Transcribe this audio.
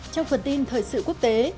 trong phần tin thời sự quốc tế